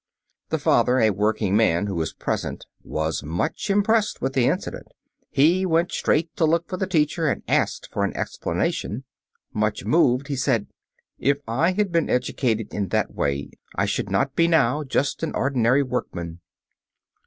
The father, a working man, who was present, was much impressed with the incident. He went straight to look for the teacher and asked for an explanation. Much moved, he said, "If I had been educated in that way I should not be now just an ordinary workman."